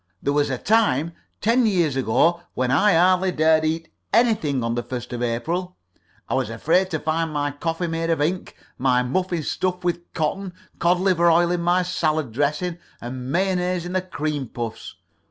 There was a time, ten years ago, when I hardly dared eat anything on the first of April. I was afraid to find my coffee made of ink, my muffin stuffed with cotton, cod liver oil in my salad dressing, and mayonnaise in my cream puffs.